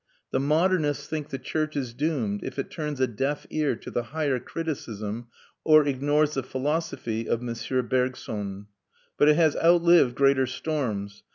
The modernists think the church is doomed if it turns a deaf ear to the higher criticism or ignores the philosophy of M. Bergson. But it has outlived greater storms.